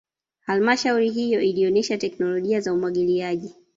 halmashauri hiyo ilionesha teknolojia za umwagiliaji